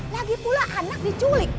lagi pula anak diculik